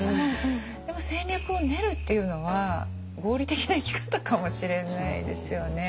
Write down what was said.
でも戦略を練るっていうのは合理的な生き方かもしれないですよね。